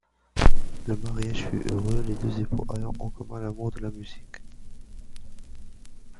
Le mariage fut heureux, les deux époux ayant en commun l'amour de la musique.